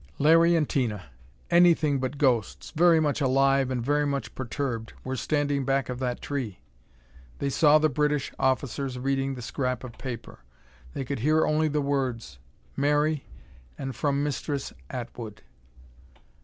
Larry and Tina anything but ghosts, very much alive and very much perturbed were standing back of that tree. They saw the British officers reading the scrap of paper. They could hear only the words, "Mary," and "from Mistress Atwood."